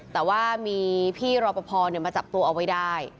แต่ว่ามีพี่รอปภมาจับตัวเอาไว้ได้